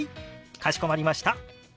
かしこまりました。